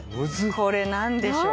これ何でしょう？